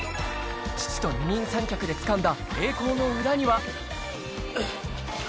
父と二人三脚でつかんだ栄光の裏には。